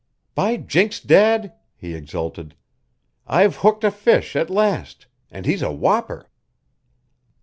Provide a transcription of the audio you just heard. "By jinks, Dad!" he exulted. "I've hooked a fish at last and he's a whopper."